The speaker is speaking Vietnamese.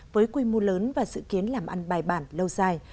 với quy mô lớn và dự kiến làm ăn bài bản lâu dài